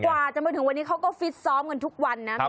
กว่าจะมาถึงวันนี้เขาก็ฟิตซ้อมกันทุกวันนะ